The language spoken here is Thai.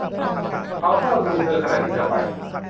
เขาเฝ้าดูเธอขณะที่เธอไป